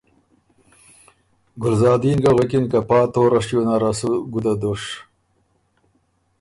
ګلزادین ګه غوېکِن که پا توره شیو نره سو ګُده دُش،